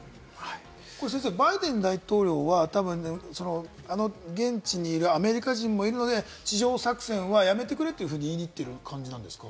先生、バイデン大統領は現地にいるアメリカ人もいるので、地上作戦はやめてくれと言いに行ってる感じですか？